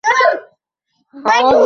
Boksda nakdaun bo’lsang-a.